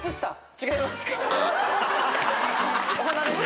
違います。